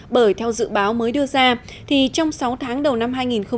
bởi theo dự báo mới đưa ra thì trong sáu tháng đầu năm hai nghìn một mươi chín